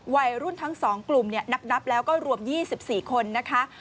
วัยรุ่นทั้ง๒กลุ่มนับแล้วก็รวม๒๔คนนะคะ